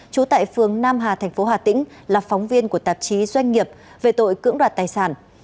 trú tại phường nam hà thành phố hà tĩnh là phóng viên của tạp chí doanh nghiệp về tội cưỡng đoạt tài sản